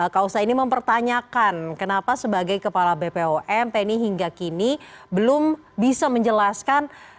kausa ini mempertanyakan kenapa sebagai kepala bpom penny hingga kini belum bisa menjelaskan